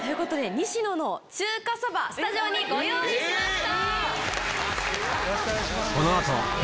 乃の中華そばスタジオにご用意しました。